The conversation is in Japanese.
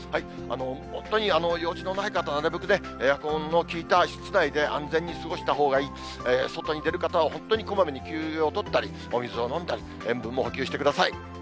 本当に用事のない方はなるべくね、エアコンの効いた室内で安全に過ごした方がいい、外に出る方は本当にこまめに休養を取ったり、お水を飲んだり、塩分も補給してください。